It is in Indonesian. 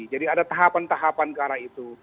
jadi ada tahapan tahapan ke arah itu